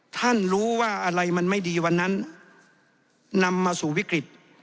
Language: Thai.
ท่านรู้ว่าอะไรมันไม่ดีวันนั้นนำมาสู่วิกฤต